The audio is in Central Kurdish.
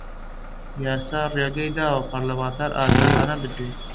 یاسا ڕێگەی داوە پەرلەمانتار ئازادانە بدوێ